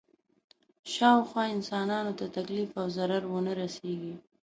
شاوخوا انسانانو ته تکلیف او ضرر ونه رسېږي.